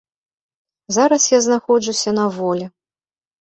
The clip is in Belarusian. Зараз я знаходжуся на волі.